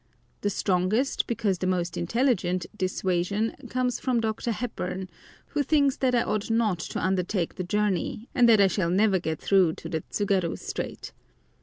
The strongest, because the most intelligent, dissuasion comes from Dr. Hepburn, who thinks that I ought not to undertake the journey, and that I shall never get through to the Tsugaru Strait.